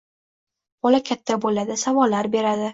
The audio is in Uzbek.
Bola katta bo‘ladi, savollar beradi